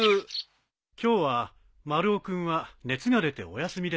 今日は丸尾君は熱が出てお休みです。